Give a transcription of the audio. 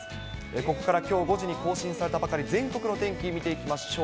ここからきょう５時に更新されたばかり、全国の天気、見ていきましょう。